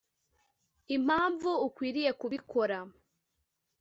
impamvu ukwiriye kubikora